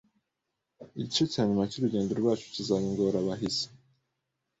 Igice cya nyuma cyurugendo rwacu kizaba ingorabahizi